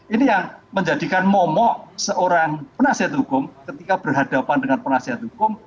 ini yang menjadikan momok seorang penasihat hukum ketika berhadapan dengan penasihat hukum